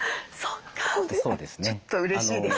ちょっとうれしいです。